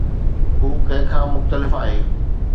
هو ڪنهن کان مختلف آهي